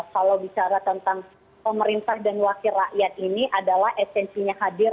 kalau bicara tentang pemerintah dan wakil rakyat ini adalah esensinya hadir